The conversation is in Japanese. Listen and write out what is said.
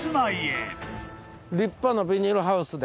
立派なビニールハウスで。